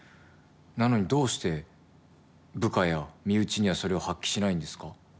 なのにどうして部下や身内にはそれを発揮しないんですか？